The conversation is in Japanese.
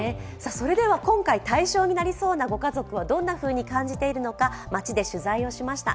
それでは今回、対象になりそうなご家族はどんなふうに感じているのか、街で取材をしました。